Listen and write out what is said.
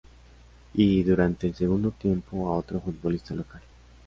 Y, durante el segundo tiempo, a otro futbolista local.